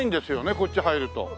こっち入ると。